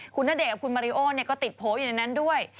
คุณณเดชนกับคุณมาริโอก็ติดโผล่อยู่ในนั้นด้วย